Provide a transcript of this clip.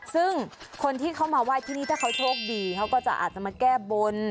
ซึ่งคนที่เขามาไหว้ที่นี่ถ้าเขาโชคดีเขาก็จะอาจจะมาแก้บน